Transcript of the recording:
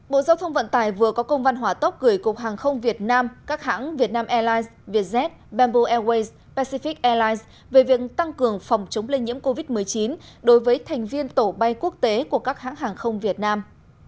bộ giao thông vận tải vừa có công văn hỏa tốc gửi cục hàng không việt nam các hãng vietnam airlines vietjet bamboo airways pacific airlines về việc tăng cường phòng chống lây nhiễm covid một mươi chín đối với thành viên tổ bay quốc tế của các hãng hàng không việt nam